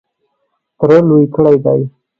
تره لوی کړی دی .